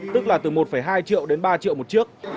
tức là từ một hai triệu đến ba triệu một chiếc